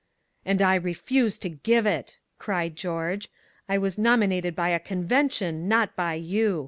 "And I refuse to give it!" cried George. "I was nominated by a convention, not by you.